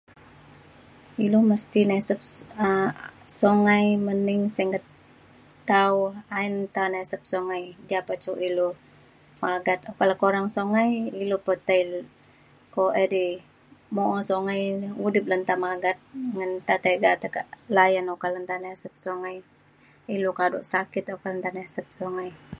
ilu mesti nasep um songai mening sengket tau ayen nta tai nasep songai ja pe cuk ilu magat oka le korang songai ilu pe tai o edai mo'o songai udip le nta magat ngan nta tega tekak layan oka le nta nesep songai ilu kaduk sakit oka le nta nesep songai